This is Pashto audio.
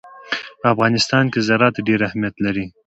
په افغانستان کې زراعت ډېر اهمیت لري.